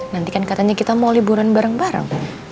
nanti kan katanya kita mau liburan bareng bareng